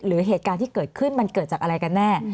หรือเหตุการณ์ที่เกิดขึ้นมันเกิดจากอะไรกันแน่